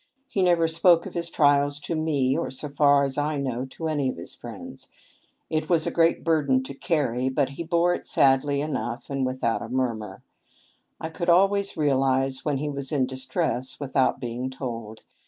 He never spoke of his trials to me or, so far as I knew, to any of his friends. It was a great burden to carry, but he bore it sadly enough and without a murmur. I could always realize when he was in distress, with out being told.